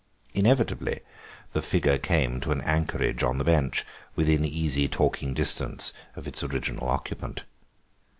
Inevitably the figure came to an anchorage on the bench, within easy talking distance of its original occupant.